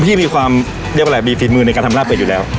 พี่มีความเรียกว่าอะไรมีฝีมือในการทำลาบเป็ดอยู่แล้ว